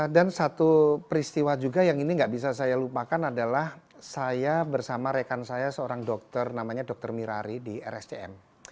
dan satu peristiwa juga yang ini gak bisa saya lupakan adalah saya bersama rekan saya seorang dokter namanya dokter mirari di rscm